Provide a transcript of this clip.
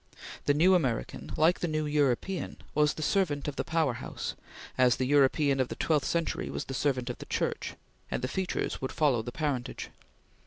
The new American, like the new European, was the servant of the powerhouse, as the European of the twelfth century was the servant of the Church, and the features would follow the parentage.